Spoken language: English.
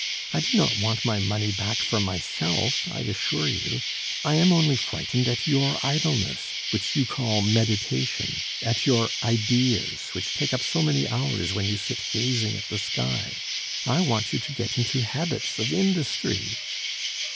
I do not want my money back for myself, I assure you! I am only frightened at your idleness, which you call meditation; at your ideas, which take up so many hours when you sit gazing at the sky; I want you to get into habits of industry."